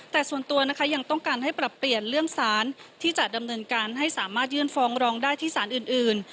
แต่ส่วนตัวนะคะยังต้องการให้ปรับเปลี่ยนเรื่องสารที่จะดำเนินการให้สามารถยื่นฟ้องร้องได้ที่สารอื่น